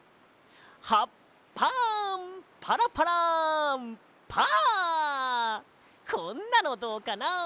「葉っぱパラパラパー」こんなのどうかな？